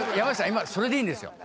今それでいいんですよ